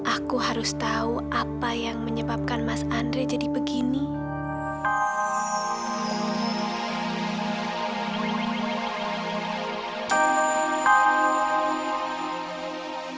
aku harus mencari seseorang yang bisa mengambil hatiku